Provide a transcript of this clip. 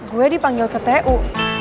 gue dipanggil ke tu